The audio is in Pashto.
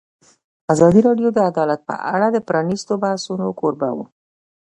ازادي راډیو د عدالت په اړه د پرانیستو بحثونو کوربه وه.